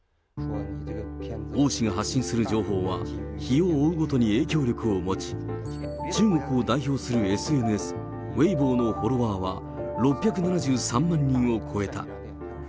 王氏が発信する情報は、日を追うごとに影響力を持ち、中国を代表するＳＮＳ、ウェイボーのフォロワーは６７３万人を超えた。